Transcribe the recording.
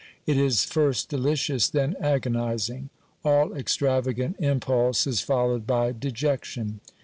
It is first delicious, then agonising. All extravagant impulse is followed by dejec tion.